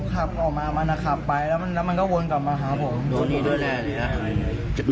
ผมขับเข้ามามันอะขับไปแล้วมันก็วนกลับมาช่วยผม